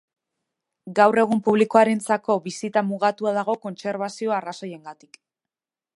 Gaur egun publikoarentzako bisita mugatua dago kontserbazio arrazoiengatik.